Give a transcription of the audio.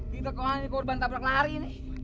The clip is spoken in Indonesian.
tiga kawan di korban tabrak lari nih